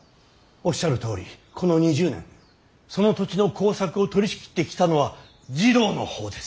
おっしゃるとおりこの２０年その土地の耕作を取りしきってきたのは次郎の方です。